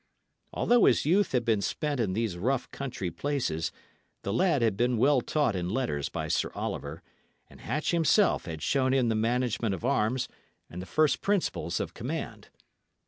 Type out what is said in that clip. Although his youth had been spent in these rough, country places, the lad had been well taught in letters by Sir Oliver, and Hatch himself had shown him the management of arms and the first principles of command.